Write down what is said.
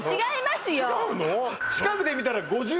違うの？